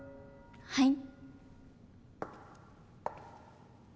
はい。